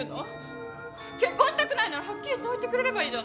結婚したくないならはっきりそう言ってくれればいいじゃない。